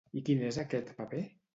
I quin és aquest paper?